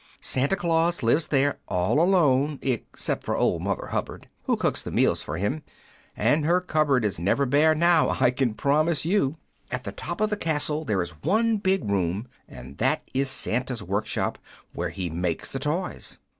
Santa Claus lives there all alone, except for old Mother Hubbard, who cooks the meals for him; and her cupboard is never bare now, I can promise you! At the top of the castle there is one big room, and that is Santa's work shop, where he makes the toys.